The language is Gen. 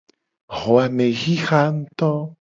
Xo a me xixa nguto.